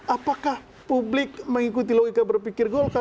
apakah publik mengikuti logika berpikir golkar